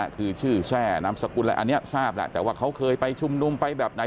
คือชื่อแทร่นามสกุลอะไรอันนี้ทราบแหละแต่ว่าเขาเคยไปชุมนุมไปแบบไหน